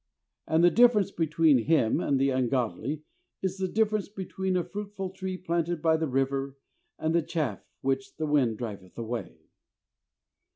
And the difference between him and the ungodly is the difference between a fruitful tree planted by the river and "the chaff which the wind driveth away."